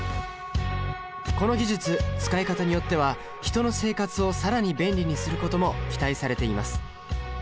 この技術使い方によっては人の生活を更に便利にすることも期待されています。